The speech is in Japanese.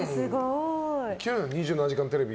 「２７時間テレビ」